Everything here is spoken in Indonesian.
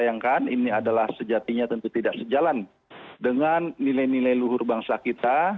sayangkan ini adalah sejatinya tentu tidak sejalan dengan nilai nilai luhur bangsa kita